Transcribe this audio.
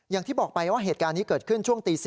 อย่างที่บอกไปว่าเหตุการณ์นี้เกิดขึ้นช่วงตี๔